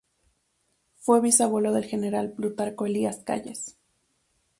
Fue bisabuelo del general Plutarco Elías Calles.